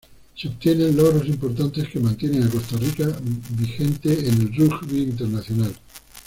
Se obtienen logros importantes que mantienen a Costa Rica vigente en el rugby internacional.